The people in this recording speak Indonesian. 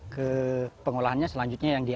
ke pengolahannya selanjutnya yang dia